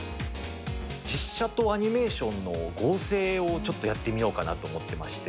実写とアニメーションの合成をちょっとやってみようかなと思ってまして。